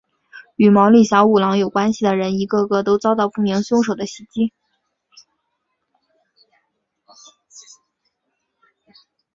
与毛利小五郎有关系的人一个个都遭到不明凶手的袭击。